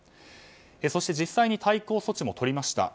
そして、実際に対抗措置もとりました。